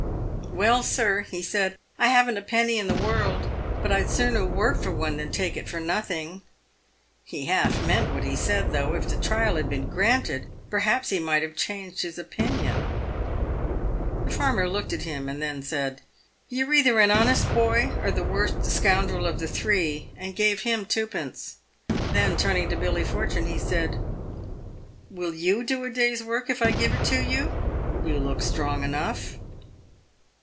" Well, sir," he said, " I haven't a penny in the world, but I'd sooner work for one than take it for nothing." He half meant what he said, though, if the trial had been granted, perhaps he might have changed his opinion. The farmer looked at him, and then said, " You're either an honest boy, or the worst scoundrel of the three," and gave him twopence. Then, turning to Billy Fortune, he said, " Will you do a day's work if I give it to you ? You look strong enough."